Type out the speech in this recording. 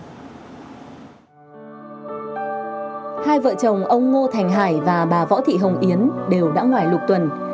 hai vợ chồng ông ngô thành hải và bà võ thị hồng yến đều đã ngoài lục tuần